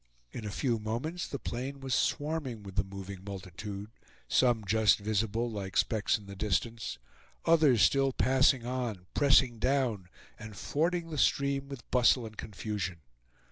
In a few moments the plain was swarming with the moving multitude, some just visible, like specks in the distance, others still passing on, pressing down, and fording the stream with bustle and confusion.